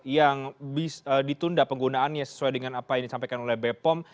yang ditunda penggunaannya sesuai dengan apa yang disampaikan oleh bepom